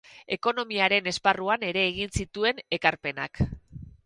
Ekonomiaren esparruan ere egin zituen ekarpenak.